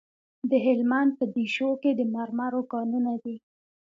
د هلمند په دیشو کې د مرمرو کانونه دي.